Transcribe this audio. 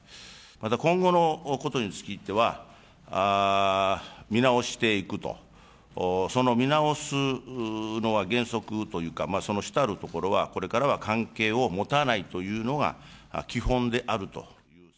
また今後のことについては、見直していくと、その見直すのは原則というか、その主たるところは、これからは関係を持たないというのが基本であると。